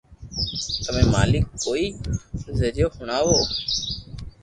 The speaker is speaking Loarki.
تمي مالڪ ڪوئي زريعو ھڻاوہ